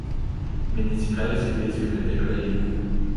Мяне цікавяць абедзве гэтыя краіны.